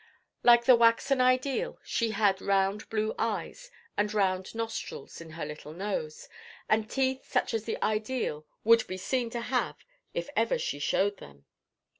Like the waxen ideal, she had round blue eyes, and round nostrils in her little nose, and teeth such as the ideal would be seen to have, if it ever showed them.